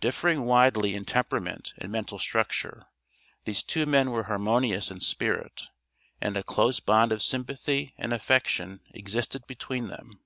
Differing widely in temperament and mental structure, these two men were harmonious in spirit, and a close bond of sympathy and affection existed between them.